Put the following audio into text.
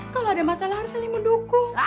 kalau ada masalah harus saling mendukung